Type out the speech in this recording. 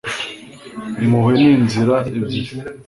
impuhwe ni inzira ebyiri